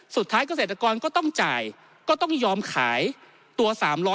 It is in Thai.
เกษตรกรก็ต้องจ่ายก็ต้องยอมขายตัว๓๐๐